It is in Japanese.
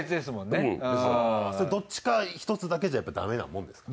どっちか１つだけじゃやっぱダメなもんですか？